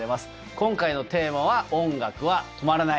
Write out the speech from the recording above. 今回のテーマは、音楽は止まらない。